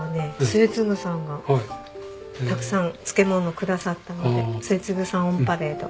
末次さんがたくさん漬物をくださったので末次さんオンパレード。